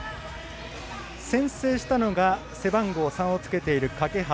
先制したのが背番号３をつけている欠端。